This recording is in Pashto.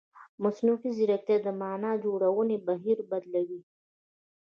مصنوعي ځیرکتیا د معنا جوړونې بهیر بدلوي.